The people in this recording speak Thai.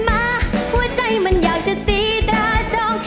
รักรักกันมาหัวใจมันอยากจะตีดาจอง